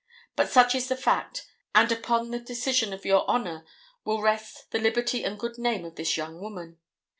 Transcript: But such is the fact, and upon the decision of Your Honor will rest the liberty and good name of this young woman.